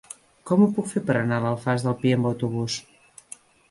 Com ho puc fer per anar a l'Alfàs del Pi amb autobús?